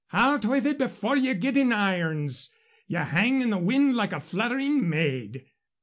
"Out with it before ye get in irons. Ye hang in the wind like a fluttering maid."